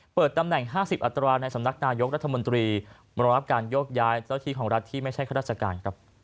ตำแหน่ง๕๐อัตราในสำนักนายกรัฐมนตรีมารับการโยกย้ายเจ้าที่ของรัฐที่ไม่ใช่ข้าราชการ